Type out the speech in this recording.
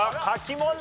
問題